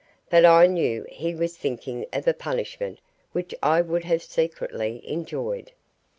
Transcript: But I knew he was thinking of a punishment which I would have secretly enjoyed.